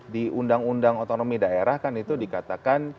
di undang undang otonomi daerah kan itu dikatakan